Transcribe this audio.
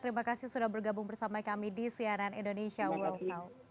terima kasih sudah bergabung bersama kami di cnn indonesia world how